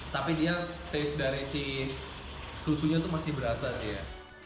tapi dia taste dari si susunya itu masih berasa sih ya